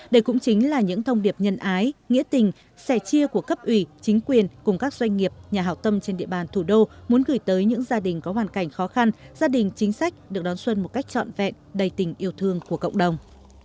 đây cũng chính là những thông điệp nhân ái nghĩa tình sẻ chia của cấp ủy chính quyền cùng các doanh nghiệp nhà hảo tâm trên địa bàn thủ đô muốn gửi tới những gia đình có hoàn cảnh khó khăn gia đình chính sách được đón xuân một cách trọn vẹn đầy tình yêu thương của cộng đồng